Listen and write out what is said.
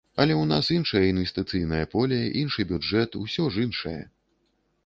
Але ў нас іншае інвестыцыйнае поле, іншы бюджэт, усё ж іншае!